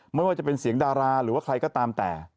ไม่ว่าจะเป็นเสียงดาราหรือว่าใครก็ตามแต่